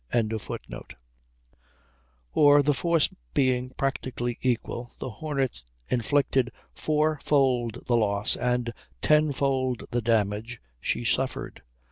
] Or, the force being practically equal, the Hornet inflicted fourfold the loss and tenfold the damage she suffered.